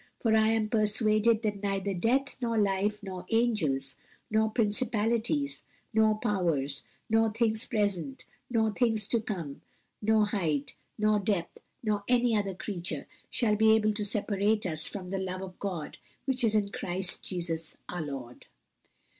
'For I am persuaded that neither death, nor life, nor angels, nor principalities, nor powers, nor things present, nor things to come, nor height, nor depth, nor any other creature, shall be able to separate us from the love of God which is in Christ Jesus our Lord!'"